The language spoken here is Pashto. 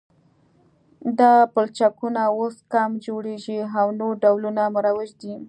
دا پلچکونه اوس کم جوړیږي او نور ډولونه مروج دي